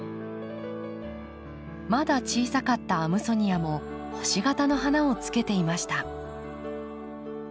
まだ小さかったアムソニアも星形の花をつけていました。